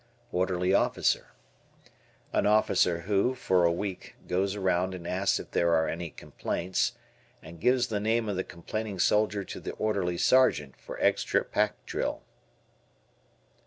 Orderly Officer. An officer who, for a week, goes around and asks if there are "any complaints" and gives the name of the complaining soldier to the Orderly Sergeant for extra pack drill.